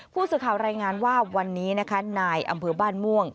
ผู้สื่อข่าวรายงานว่าวันนี้นะคะนายอำเภอบ้านม่วง